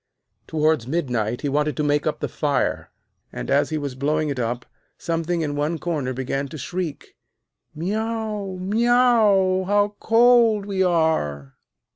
Towards midnight he wanted to make up the fire, and, as he was blowing it up, something in one corner began to shriek: 'Miau, miau, how cold we are!'